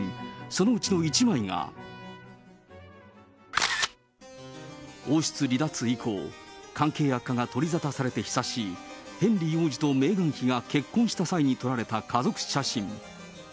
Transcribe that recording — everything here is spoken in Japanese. そのうちの１枚が、王室離脱以降、関係悪化が取り沙汰されて久しい、ヘンリー王子とメーガン妃が結婚した際に撮られた家族写真。